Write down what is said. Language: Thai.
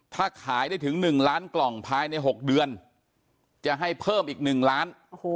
ถ้าขายได้ถึง๑ล้านกล่องภายใน๖เดือนจะให้เพิ่มอีก๑ล้าน